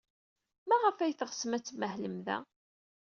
Maɣef ay teɣsem ad tmahlem da?